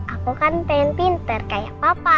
aku kan pengen pinter kayak papa